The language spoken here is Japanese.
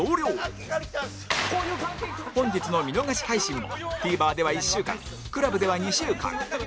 本日の見逃し配信も ＴＶｅｒ では１週間 ＣＬＵＢ では２週間